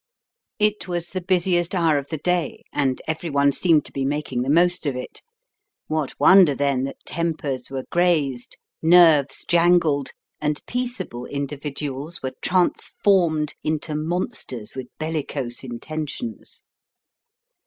It was the busiest hour of the day, and everyone seemed to be making the most of it. What wonder, then, that tempers were grazed, nerves jangled, and peaceable individuals were transformed into monsters with bellicose intentions!